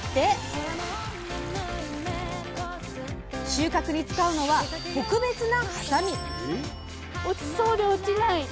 収穫に使うのは特別なはさみ！